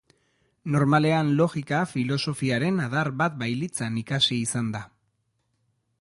Normalean logika, filosofiaren adar bat bailitzan ikasi izan da.